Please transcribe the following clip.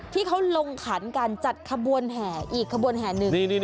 ที่เขาลงขันการจัดขบวนแห่อีกขบวนแห่งหนึ่ง